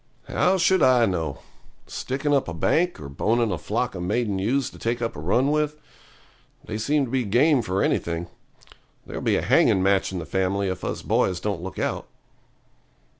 'How should I know? Sticking up a bank, or boning a flock of maiden ewes to take up a run with? They seem to be game for anything. There'll be a hanging match in the family if us boys don't look out.'